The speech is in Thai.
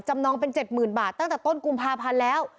นองเป็น๗๐๐๐บาทตั้งแต่ต้นกุมภาพันธ์แล้ว